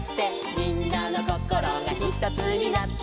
「みんなのこころがひとつになって」